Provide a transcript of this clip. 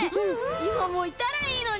いまもいたらいいのに！